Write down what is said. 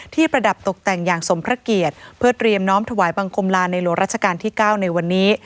ประดับตกแต่งอย่างสมพระเกียรติเพื่อเตรียมน้อมถวายบังคมลาในหลวงราชการที่๙ในวันนี้